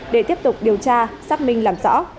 để tiếp tục điều tra xác minh làm rõ